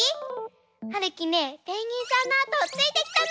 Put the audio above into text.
はるきねペンギンさんのあとをついてきたの！